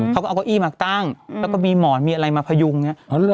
เขาก็เอาเก้าอี้มาตั้งแล้วก็มีหมอนมีอะไรมาพยุงอย่างนี้